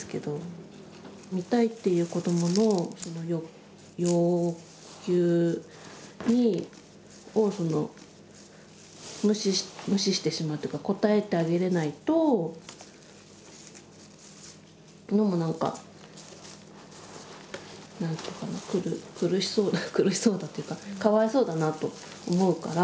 見たいっていう子どもの要求を無視してしまうというか応えてあげれないとのもなんか苦しそう苦しそうだというかかわいそうだなと思うから。